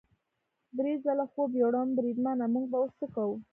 درې ځله خوب یووړم، بریدمنه موږ به اوس څه کوو؟